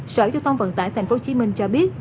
sở lưu thông vận tải tp hcm cho biết